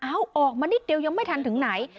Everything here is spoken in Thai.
ออกมานิดเดียวยังไม่ทันถึงไหน